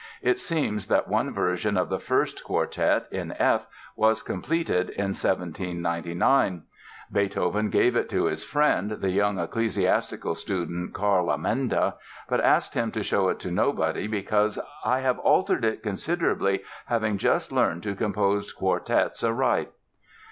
It seems that one version of the first quartet, in F, was completed in 1799. Beethoven gave it to his friend, the young ecclesiastical student Carl Amenda, but asked him to show it to nobody because "I have altered it considerably, having just learned to compose quartets aright."